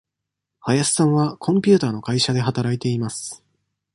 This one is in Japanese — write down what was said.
林さんはコンピューターの会社で働いています。